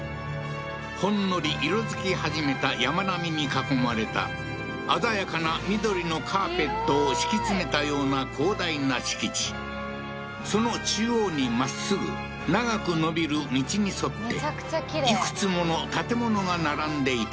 ほんのり色づき始めた山並みに囲まれた鮮やかな緑のカーペットを敷き詰めたような広大な敷地その中央にまっすぐ長く伸びる道に沿っていくつもの建物が並んでいた